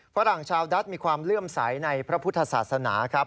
ฝรั่งชาวดัดมีความเลื่อมใสในพระพุทธศาสนาครับ